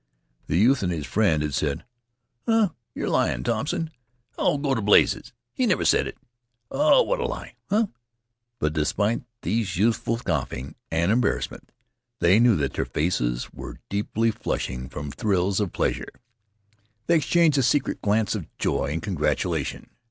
'" The youth and his friend had said: "Huh!" "Yer lyin', Thompson." "Oh, go t' blazes!" "He never sed it." "Oh, what a lie!" "Huh!" But despite these youthful scoffings and embarrassments, they knew that their faces were deeply flushing from thrills of pleasure. They exchanged a secret glance of joy and congratulation.